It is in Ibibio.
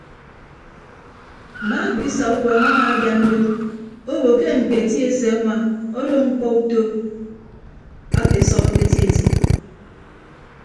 Mma duisa ubọọñ amaadian do obo ke ñketi eseñwa odo ñkpọ uto ake ọsọbọke eti eti.